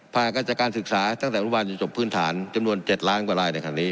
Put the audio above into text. ภายกันจากการศึกษาตั้งแต่อุณหวันจบพื้นฐานจำนวน๗ล้านกว่าลายในครั้งนี้